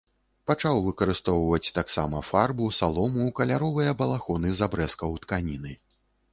Пачаў выкарыстоўваць таксама фарбу, салому, каляровыя балахоны з абрэзкаў тканіны.